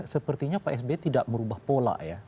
sepertinya pak sby tidak merubah pola ya